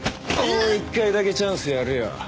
もう一回だけチャンスやるよ。